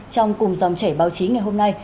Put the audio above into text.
trong cùng dòng chảy báo chí ngày hôm nay